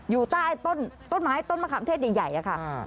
อยู่ใต้ต้นไม้ต้นมะขามเทศใหญ่ค่ะ